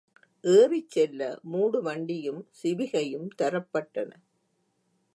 ஏறிச்செல்ல மூடு வண்டியும், சிவிகையும், தரப் பட்டன.